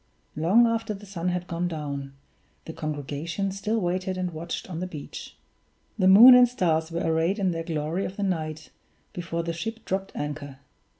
Long after the sun had gone down, the congregation still waited and watched on the beach. The moon and stars were arrayed in their glory of the night before the ship dropped anchor.